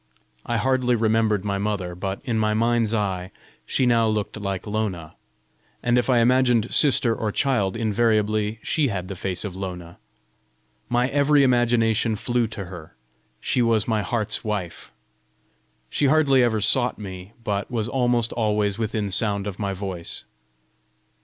I hardly remembered my mother, but in my mind's eye she now looked like Lona; and if I imagined sister or child, invariably she had the face of Lona! My every imagination flew to her; she was my heart's wife! She hardly ever sought me, but was almost always within sound of my voice.